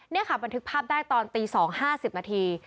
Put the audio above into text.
นี่ค่ะบันทึกภาพได้ตอนตี๒๕๐นาที